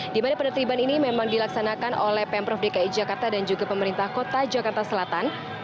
di mana penertiban ini memang dilaksanakan oleh pemprov dki jakarta dan juga pemerintah kota jakarta selatan